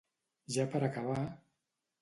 Ja per acabar…